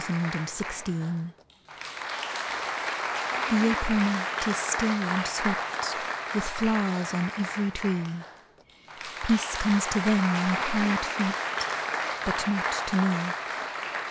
But Not to Me The April night is still and sweet With flowers on every tree; Peace comes to them on quiet feet, But not to me.